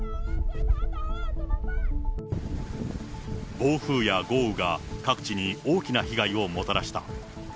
暴風や豪雨が各地に大きな被害をもたらした。